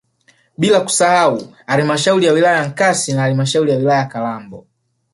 bila kusahau halmashauri ya wilaya ya Nkasi na halmashauri ya wilaya ya Kalambo